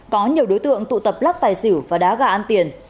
có nhiều đối tượng tụ tập lắc tài xỉu và đá gà ăn tiền